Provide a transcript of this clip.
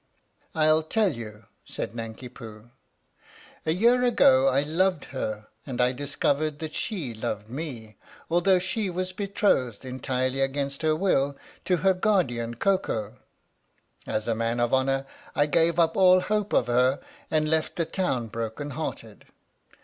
" I'll tell you," said Nanki Poo. "A year ago I loved her and I discovered that she loved me, although she was betrothed, entirely against her will, to her guardian Koko. As a man of honour, I gave up all hope of her and left the town broken hearted.